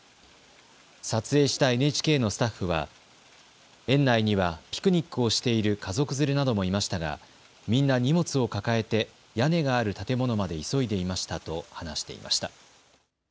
撮影したＮＨＫのスタッフは園内にはピクニックをしている家族連れなどもいましたがみんな荷物を抱えて屋根がある建物まで急いでいましたと話していました。